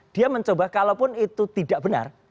dia mencoba kalaupun itu tidak benar